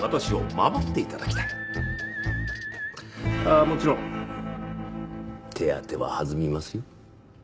あっもちろん手当は弾みますよ。